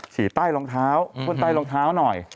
ฉีดใต้รองเท้าคนใต้รองเท้าหน่อย